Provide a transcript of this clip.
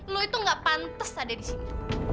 lo itu nggak pantas ada di sini